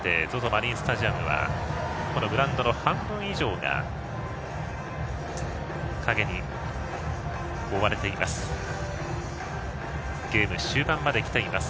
マリンスタジアムはグラウンドの半分以上が影に覆われています。